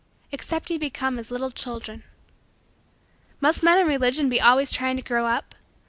"Except ye become as little children." Must men in Religion be always trying to grow up?